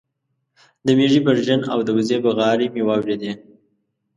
د مېږې برژن او د وزې بغارې مې واورېدې